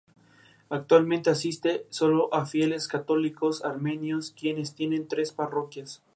Actualmente asiste solo a fieles católicos armenios, quienes tienen tres parroquias.